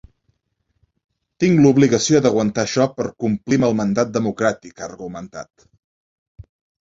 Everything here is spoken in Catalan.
Tinc l’obligació d’aguantar això per complir amb el mandat democràtic, ha argumentat.